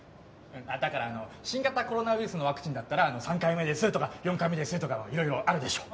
だから新型コロナウイルスのワクチンだったら３回目ですとか４回目ですとかいろいろあるでしょ。